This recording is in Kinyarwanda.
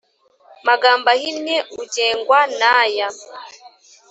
Magambo ahinnye ugengwa n aya